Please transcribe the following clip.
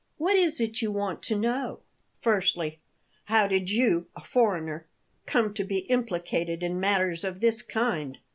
What is it you want to know?" "Firstly, how did you, a foreigner, come to be implicated in matters of this kind?"